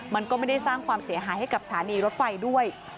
มันก็ไม่ได้สร้างความเสียหายให้กับสถานีรถไฟด้วย